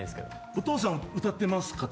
お父さん、歌ってます方？